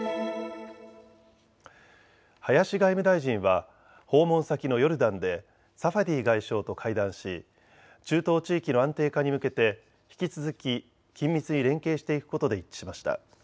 林外務大臣は訪問先のヨルダンでサファディ外相と会談し中東地域の安定化に向けて引き続き緊密に連携していくことで一致しました。